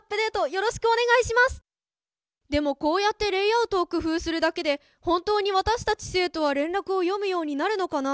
でもこうやってレイアウトを工夫するだけで本当に私たち生徒は連絡を読むようになるのかな？